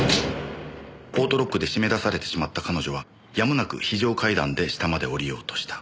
オートロックで締め出されてしまった彼女はやむなく非常階段で下まで降りようとした。